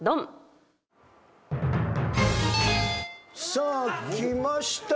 さあきました。